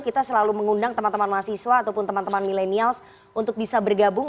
kita selalu mengundang teman teman mahasiswa ataupun teman teman milenials untuk bisa bergabung